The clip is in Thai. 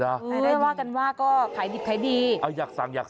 รายได้ว่ากันว่าก็ขายดีอยากสั่ง